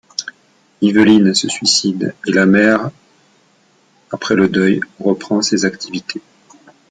Yveline se suicide et la mère après le deuil, reprend ses activités.